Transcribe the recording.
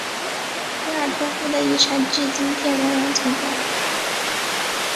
维尔托夫的遗产至今天仍然存在。